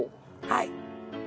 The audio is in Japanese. はい。